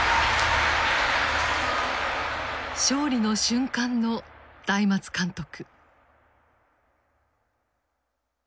勝利の瞬間の大松監督。